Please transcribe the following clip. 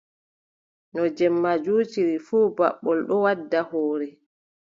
No jemma juutiri fuu, baɓɓol ɗon wadda hoore.